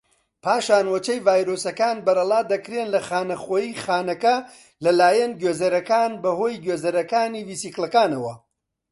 پاشان وەچەی ڤایرۆسەکان بەرەڵا دەکرێن لە خانەخوێی خانەکە لەلایەن گوێزەرەوەکان بەهۆی گوێزەرەوەکانی ڤیسیکڵەکانەوە.